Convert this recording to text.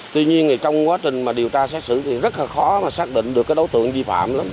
tuy nhiên thì trong quá trình mà điều tra xét xử thì rất là khó mà xác định được cái đối tượng vi phạm lắm